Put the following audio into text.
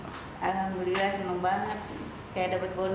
alhamdulillah senang banget